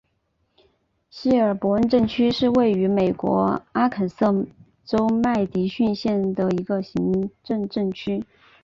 希尔伯恩镇区是位于美国阿肯色州麦迪逊县的一个行政镇区。